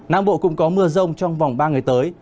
nam bộ cũng có mưa rông trong vòng ba ngày tới